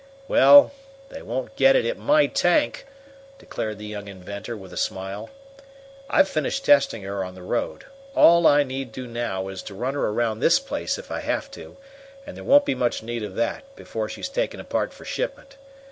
"Well, they won't get it at my tank!" declared the young inventor, with a smile. "I've finished testing her on the road. All I need do now is to run her around this place if I have to; and there won't be much need of that before she's taken apart for shipment.